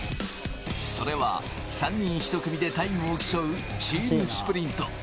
それは３人１組でタイムを競うチームスプリント。